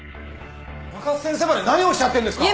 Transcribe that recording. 甘春先生まで何をおっしゃってんですか。